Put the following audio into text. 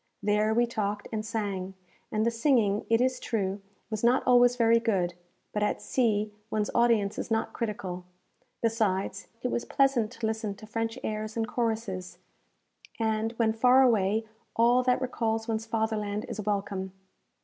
There we talked and sang, and the singing, it is true, was not always very good; but at sea one's audience is not critical. Besides, it was pleasant to listen to French airs and choruses; and, when far away, all that recalls one's fatherland is welcome.